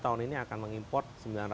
tahun ini akan mengimport